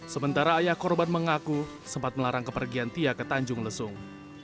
sementara ayah korban mengaku sempat melarang kepergian tia ke tanjung lesung